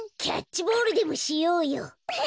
キャッチボールでもしようよ！